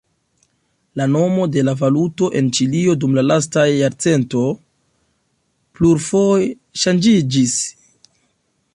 La nomo de la valuto en Ĉilio dum la lasta jarcento plurfoje ŝanĝiĝis.